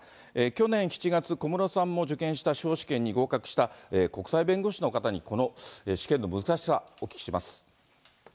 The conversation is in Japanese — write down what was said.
去年７月、小室さんも受験した司法試験に合格した、国際弁護士の方にこの試験の難しさ、お聞きします。